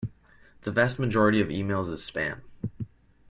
The vast majority of emails is Spam.